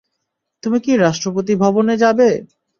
তুমি কি রাষ্ট্রপতি ভবনে যাবে?